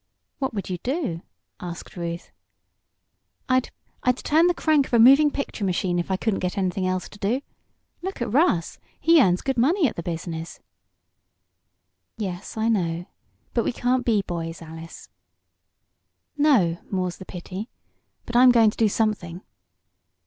"What would you do?" asked Ruth. "I I'd turn the crank of a moving picture machine if I couldn't get anything else to do. Look at Russ he earns good money at the business." "Yes, I know. But we can't be boys, Alice." "No more's the pity. But I'm going to do something!"